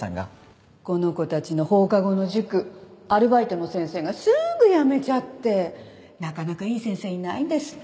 この子たちの放課後の塾アルバイトの先生がすぐ辞めちゃってなかなかいい先生いないんですって。